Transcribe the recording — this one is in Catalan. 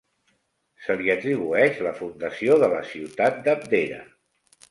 Se li atribueix la fundació de la ciutat d'Abdera.